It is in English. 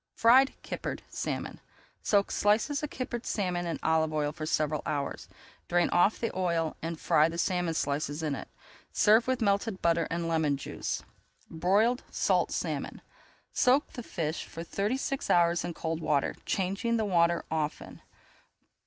FRIED KIPPERED SALMON Soak slices of kippered salmon in olive oil for several hours. Drain off the oil and fry the salmon slices in it. Serve with melted butter [Page 306] and lemon juice. BROILED SALT SALMON Soak the fish for thirty six hours in cold water, changing the water often.